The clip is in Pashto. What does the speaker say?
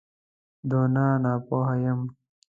دونه ناپوه یم.